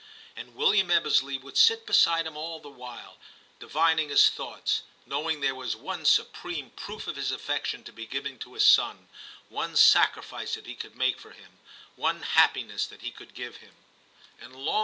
And William Ebbesley would sit beside him all the while, divining his thoughts, knowing there was one supreme proof of his affection to be given to his son, one sacrifice that he could make for him, one happiness that he could give him, and long 302 TIM CHAP.